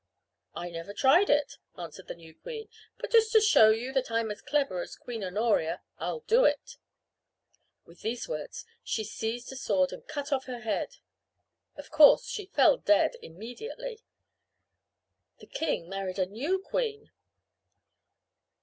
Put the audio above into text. "I never tried it," answered the new queen, "but just to show you that I'm as clever as Queen Honoria I'll do it." With these words she seized a sword and cut off her head. Of course she fell dead immediately. The king married a new queen.